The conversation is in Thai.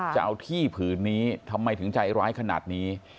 จะเอาที่ผืนนี้ทำไมถึงใจร้ายขนาดนี้